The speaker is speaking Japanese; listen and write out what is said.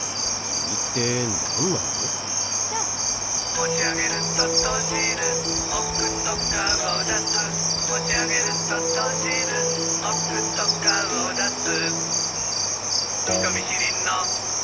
「もちあげるととじるおくと顔だす」「もちあげるととじるおくと顔だす」